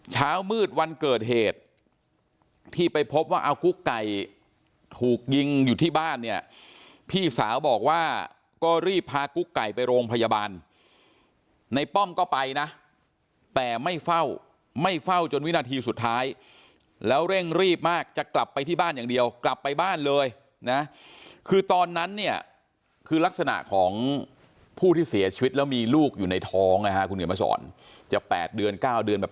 เช้ามืดวันเกิดเหตุที่ไปพบว่าเอากุ๊กไก่ถูกยิงอยู่ที่บ้านเนี่ยพี่สาวบอกว่าก็รีบพากุ๊กไก่ไปโรงพยาบาลในป้อมก็ไปนะแต่ไม่เฝ้าไม่เฝ้าจนวินาทีสุดท้ายแล้วเร่งรีบมากจะกลับไปที่บ้านอย่างเดียวกลับไปบ้านเลยนะคือตอนนั้นเนี่ยคือลักษณะของผู้ที่เสียชีวิตแล้วมีลูกอยู่ในท้องนะฮะคุณเขียนมาสอนจะ๘เดือน๙เดือนแบบ